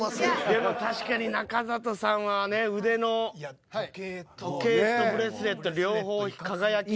でも確かに中里さんはね腕の時計とブレスレット両方輝きが。